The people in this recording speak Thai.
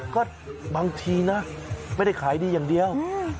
ก็บางทีนะไม่ได้ขายดีอย่างเดียว